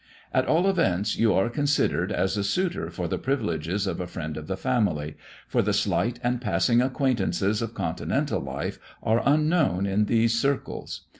At all events you are considered as a suitor for the privileges of a friend of the family, for the slight and passing acquaintances of continental life are unknown in these circles.